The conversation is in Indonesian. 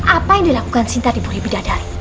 apa yang dilakukan sinta di burebidadari